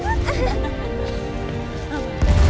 ハハハ。